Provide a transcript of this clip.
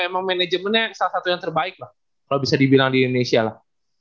emang manajemennya salah satu yang terbaik lah kalau bisa dibilang di indonesia lah